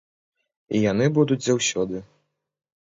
І яны будуць заўсёды.